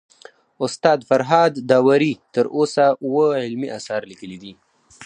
استاد فرهاد داوري تر اوسه اوه علمي اثار ليکلي دي